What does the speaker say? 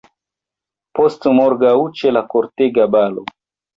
Postmorgaŭ, ĉe la kortega balo!